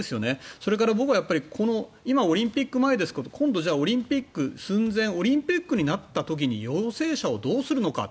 それから僕は今、オリンピック前ですが今度オリンピック寸前オリンピックになった時に陽性者をどうするのかと。